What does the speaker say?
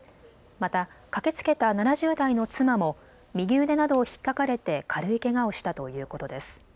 また駆けつけた７０代の妻も右腕などをひっかかれて軽いけがをしたということです。